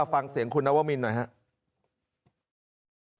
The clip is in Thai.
ฟังเสียงคุณนวมินหน่อยครับ